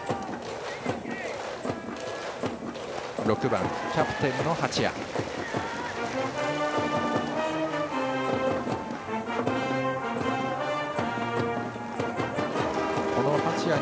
６番キャプテンの八谷。